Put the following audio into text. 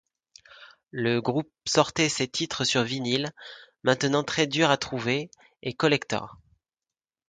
Le groupe sortait ses titres sur vinyle, maintenant très durs à trouver, et collectors.